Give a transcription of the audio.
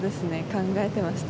考えていました。